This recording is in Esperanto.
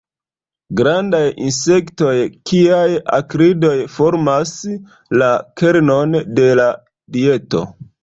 Grandaj insektoj kiaj akridoj formas la kernon de la dieto.